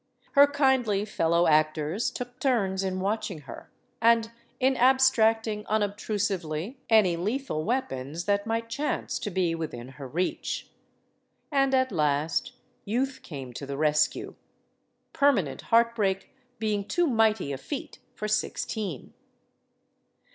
Her kindly fellow actors took turns in watching her and in ab stracting unobtrusively any lethal weapons that might chance to be within her reach. And at last Youth came to the rescue; permanent heartbreak being too mighty a feat for sixteen.